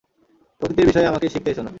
প্রকৃতির বিষয়ে আমাকে শিখাতে এসো না।